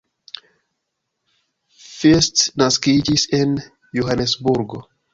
First naskiĝis en Johanesburgo.